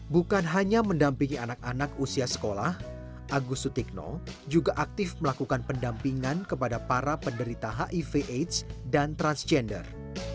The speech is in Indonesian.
bukan hanya mendampingi anak anak usia sekolah agus sutikno juga aktif melakukan pendampingan kepada para penderita hiv aids dan transgender